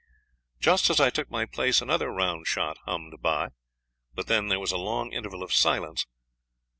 "Just as I took my place another round shot hummed by; but then there was a long interval of silence.